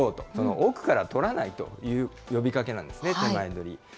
奥から取らないという呼びかけなんですね、てまえどり。